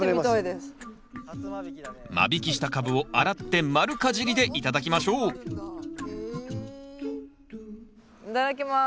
間引きしたカブを洗って丸かじりで頂きましょういただきます。